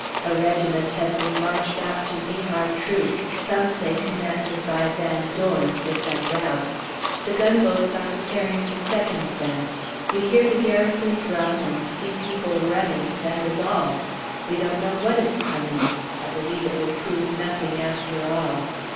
A regiment has been marched out to meet our troops, some say commanded by Van Dorn, which I doubt. The gunboats are preparing to second them; we hear the Garrison drum and see people running, that is all. We don't know what is coming. I believe it will prove nothing, after all.